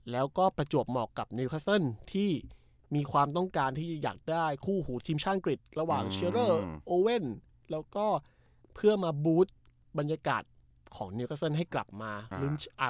แล้วก็ประจวบเหมาะกับที่มีความต้องการที่อยากได้คู่หูทีมช่างอังกฤษระหว่างอืมแล้วก็เพื่อมาบูธบรรยากาศของให้กลับมาอ่า